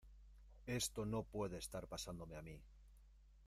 Esto no puede estar pasándome a mí.